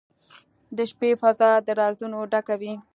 • د شپې فضاء د رازونو ډکه وي.